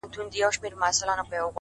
• محرابونه به موخپل جومات به خپل وي,